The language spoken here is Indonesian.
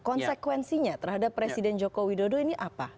konsekuensinya terhadap presiden joko widodo ini apa